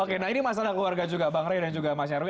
oke nah ini masalah keluarga juga bang ray dan juga mas nyarwi